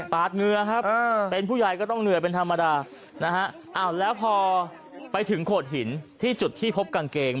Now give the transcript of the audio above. เหงื่อครับเป็นผู้ใหญ่ก็ต้องเหนื่อยเป็นธรรมดานะฮะอ้าวแล้วพอไปถึงโขดหินที่จุดที่พบกางเกง